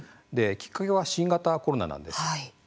きっかけは新型コロナなんです。